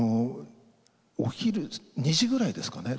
お昼２時ぐらいですかね。